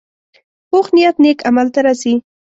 پوخ نیت نیک عمل ته رسي